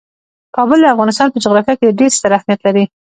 کابل د افغانستان په جغرافیه کې ډیر ستر اهمیت لري.